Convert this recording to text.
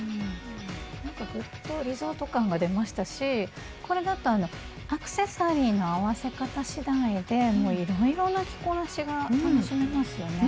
なんかグッとリゾート感が出ましたしこれだとアクセサリーの合わせ方しだいでいろいろな着こなしが楽しめますよね。